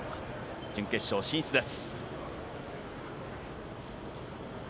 準決勝、進出です。